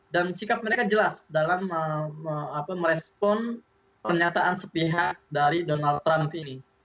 dan sikap mereka jelas dalam merespon pernyataan sepihak dari donald trump ini